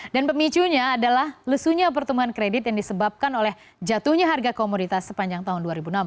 dan pemicunya adalah lesunya pertumbuhan kredit yang disebabkan oleh jatuhnya harga komoditas sepanjang tahun dua ribu enam belas